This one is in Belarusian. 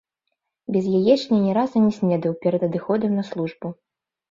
Без яечні ні разу не снедаў перад адыходам на службу.